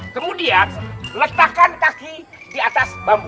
kemudian letakkan kaki di atas bambu